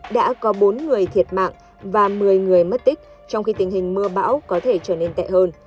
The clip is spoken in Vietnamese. đã có bốn người thiệt mạng và một mươi người mất tích trong khi tình hình mưa bão có thể trở nên tệ hơn